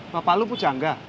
bapak lo puja enggak